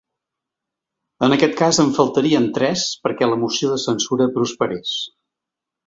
En aquest cas, en faltarien tres perquè la moció de censura prosperés.